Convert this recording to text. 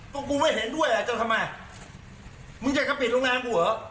ก็กูไม่เห็นด้วยอ่ะจนทำไมมึงอยากจะปิดโรงงานกูเหรอ